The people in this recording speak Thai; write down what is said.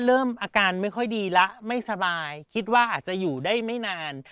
เริ่มอาการไม่ค่อยดีแล้วไม่สบายคิดว่าอาจจะอยู่ได้ไม่นาน